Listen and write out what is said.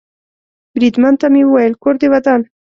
بریدمن ته مې وویل: کور دې ودان.